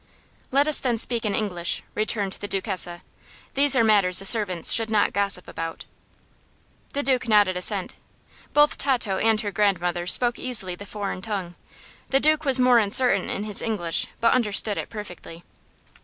"Let us then speak in English," returned the Duchessa. "These are matters the servants should not gossip about." The Duke nodded assent. Both Tato and her grandmother spoke easily the foreign tongue; the Duke was more uncertain in his English, but understood it perfectly.